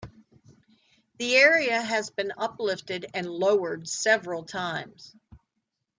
The area has been uplifted and lowered several times.